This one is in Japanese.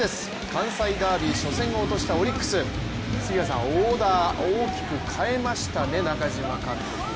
関西ダービー初戦を落としたオリックス、オーダー、大きく変えましたね、中嶋監督。